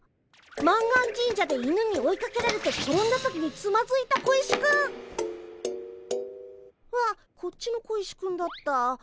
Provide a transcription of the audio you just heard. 満願神社で犬に追いかけられて転んだ時につまずいた小石くん。はこっちの小石くんだった。